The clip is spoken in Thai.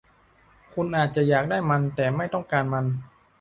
คุณอาจจะอยากได้มัน แต่ไม่ต้องการมัน